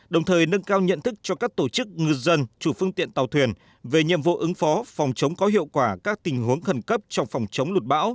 đồng thời nâng cao nhận thức cho các tổ chức ngư dân chủ phương tiện tàu thuyền về nhiệm vụ ứng phó phòng chống có hiệu quả các tình huống khẩn cấp trong phòng chống lụt bão